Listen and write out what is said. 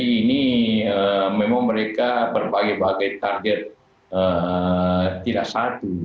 ini memang mereka berbagai bagai target tidak satu